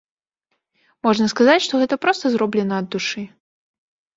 Можна сказаць, што гэта проста зроблена ад душы.